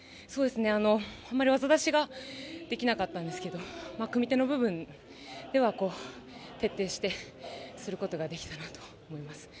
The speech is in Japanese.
あんまり技出しができなかったんですけど組み手の部分では徹底してすることができたなと思います。